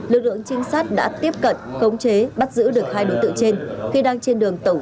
lực lượng trinh sát đã tiếp cận khống chế bắt giữ được hai đối tượng trên khi đang trên đường tẩu